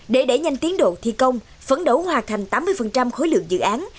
để đẩy nhanh tiến độ thi công phấn đấu hoạt thành tám mươi khối lượng dự án